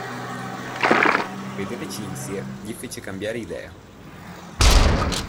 Vedere Cinzia gli fece cambiare idea.